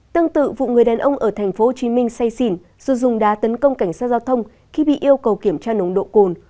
tương tự vụ người đàn ông ở tp hcm say xỉn rồi dùng đá tấn công cảnh sát giao thông khi bị yêu cầu kiểm tra nồng độ cồn